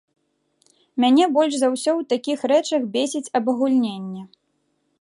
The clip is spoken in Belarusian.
Мяне больш за ўсё ў такіх рэчах бесіць абагульненне.